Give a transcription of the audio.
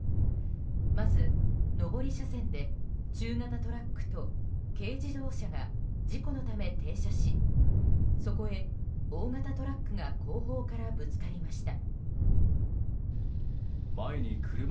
まず上り車線で中型トラックと軽自動車が事故のため停車しそこへ大型トラックが後方からぶつかりました。